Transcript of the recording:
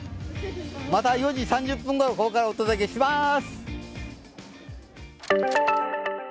また４時３０分ごろここからお届けします！